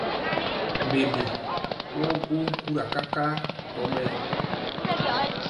Mbembi mɔɔ gwo nkura kakaa gɔmayɛ.